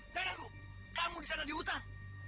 jangan ragu kamu di sana di hutan